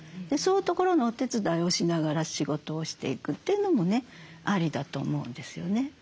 そういうところのお手伝いをしながら仕事をしていくというのもねありだと思うんですよね。